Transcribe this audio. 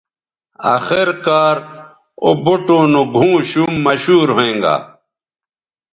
آخر کار او بوٹوں نو گھؤں شُم مشہور ھوینگا